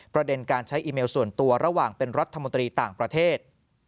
ประเด็นการใช้อีเมลส่วนตัวระหว่างเป็นรัฐมนตรีต่างประเทศ